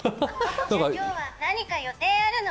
今日は何か予定あるの？